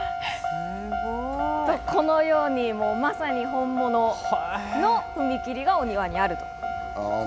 このように、まさに本物の踏切がお庭にあると。